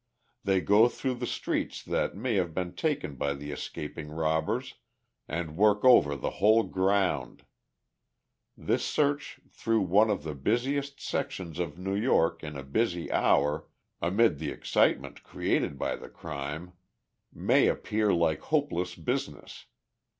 They go through the streets that may have been taken by the escaping robbers, and work over the whole ground. This search through one of the busiest sections of New York in a busy hour, amid the excitement created by the crime, may appear like hopeless business.